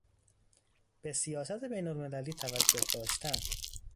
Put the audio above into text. به سیاست بینالمللی توجه داشتن